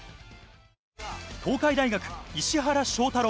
東海大学・石原翔太郎。